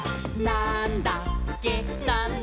なんだっけ？！」